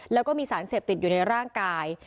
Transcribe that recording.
แล้วก็มีสารเสพติดอยู่ในร่างกาย